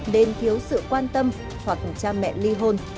nên thiếu sự quan tâm hoặc cha mẹ ly hôn